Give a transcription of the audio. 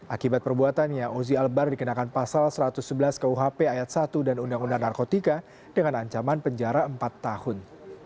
akibat perbuatannya ozi albar dikenakan pasal satu ratus sebelas kuhp ayat satu dan undang undang narkotika dengan ancaman penjara empat tahun